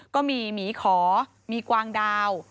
ก็มีหมีขอมีกวางดาว